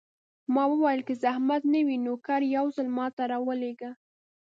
ما وویل: که زحمت نه وي، نوکر یو ځل ما ته راولېږه.